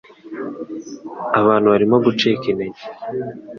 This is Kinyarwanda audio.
abantu barimo gucika intege